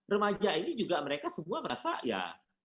remaja ini juga mereka semua merasa ya